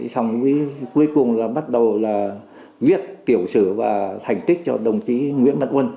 xong cuối cùng là bắt đầu là viết tiểu sử và thành tích cho đồng chí nguyễn văn quân